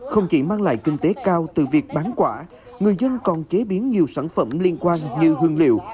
không chỉ mang lại kinh tế cao từ việc bán quả người dân còn chế biến nhiều sản phẩm liên quan như hương liệu